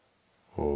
うん。